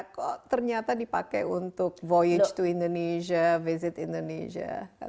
kok ternyata dipakai untuk voyage to indonesia visit indonesia